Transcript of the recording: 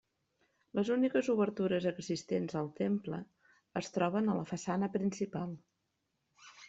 Les úniques obertures existents al temple es troben a la façana principal.